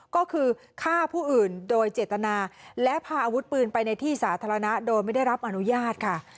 ก็คือฆ่าผู้อื่นโดยเจตนาและพาอาวุธปืนไปในที่สาธารณะโดยไม่ได้รับอนุญาตค่ะ